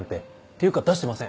ていうか出してません！